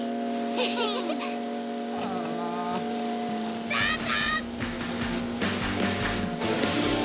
スタート！